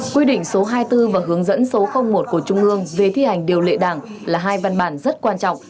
quy định số hai mươi bốn và hướng dẫn số một của trung ương về thi hành điều lệ đảng là hai văn bản rất quan trọng